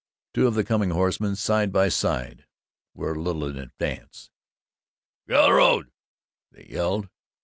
Two of the coming horsemen, side by side, were a little in advance. "Git out o' the road!" they yelled.